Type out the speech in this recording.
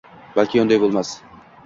Balki unday bo`lmas